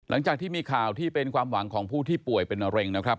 หลังจากที่มีข่าวที่เป็นความหวังของผู้ที่ป่วยเป็นมะเร็งนะครับ